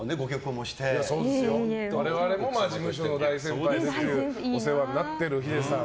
我々も事務所の大先輩でお世話になっているヒデさん。